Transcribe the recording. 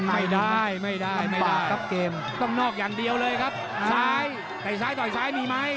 ไม่ได้ไม่ได้ครับเกมต้องนอกอย่างเดียวเลยครับซ้ายแต่ซ้ายต่อยซ้ายมีไหม